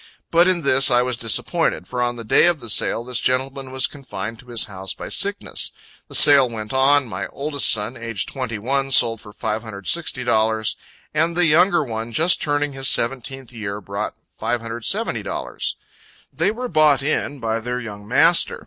But in this I was disappointed; for on the day of sale this gentleman was confined to his house by sickness. The sale went on. My oldest son, aged twenty one, sold for $560; and the younger one, just turning his seventeenth year, brought $570. They were bought in by their young master.